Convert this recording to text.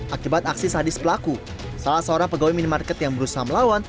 akibat aksi sadis pelaku salah seorang pegawai minimarket yang berusaha melawan